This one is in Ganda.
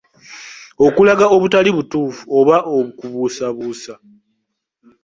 Okulaga obutali butuufu oba okubuusabuusa.